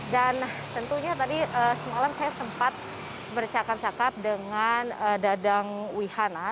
dan tentunya tadi semalam saya sempat bercakap cakap dengan dadang wihana